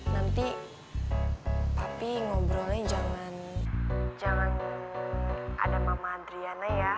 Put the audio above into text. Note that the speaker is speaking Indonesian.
nanti papi ngobrolnya jangan jangan ada mama adriana ya